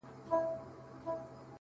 غلطۍ کي مي د خپل حسن بازار مات کړی دی،